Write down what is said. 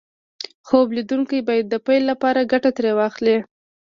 خوب ليدونکي بايد د پيل لپاره ګټه ترې واخلي.